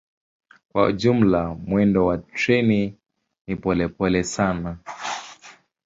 Kwa jumla mwendo wa treni ni polepole sana.